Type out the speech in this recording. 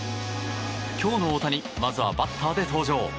今日の大谷まずはバッターで登場。